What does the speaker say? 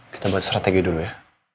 kita buat strategi dulu ya